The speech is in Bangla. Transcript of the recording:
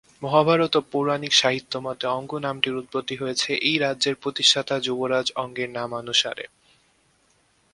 মহাভারত ও পৌরাণিক সাহিত্য মতে অঙ্গ নামটির উৎপত্তি হয়েছে এই রাজ্যের প্রতিষ্ঠাতা যুবরাজ অঙ্গের নামানুসারে।